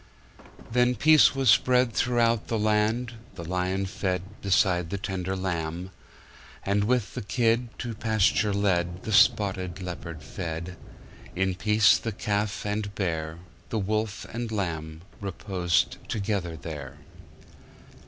Then peace was spread throughout the land; The lion fed beside the tender lamb; And with the kid, To pasture led, The spotted leopard fed; In peace, the calf and bear, The wolf and lamb reposed together there.